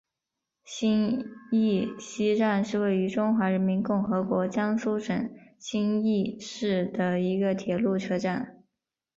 新沂西站是位于中华人民共和国江苏省新沂市的一个铁路车站。